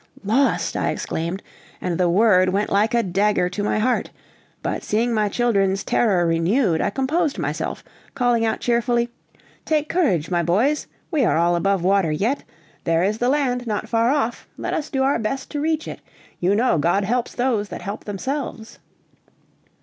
"Lost!" I exclaimed, and the word went like a dagger to my heart; but seeing my children's terror renewed, I composed myself, calling out cheerfully, "Take courage, my boys! we are all above water yet. There is the land not far off; let us do our best to reach it. You know God helps those that help themselves!"